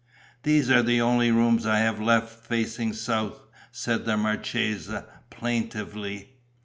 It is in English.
"These are the only rooms I have left facing south," said the marchesa, plaintively.